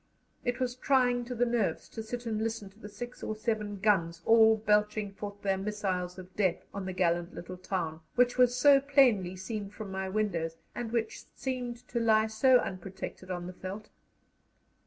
It was trying to the nerves to sit and listen to the six or seven guns all belching forth their missiles of death on the gallant little town, which was so plainly seen from my windows, and which seemed to lie so unprotected on the veldt.